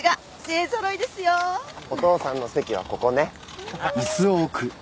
お父さんの席はここね。